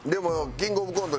キングオブコントで。